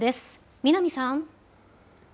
南さん。